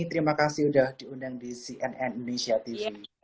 terima kasih sudah diundang di cnn inisiatif